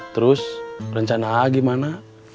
terus rencana ah gimana